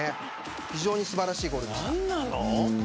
非常に素晴らしいゴールでした。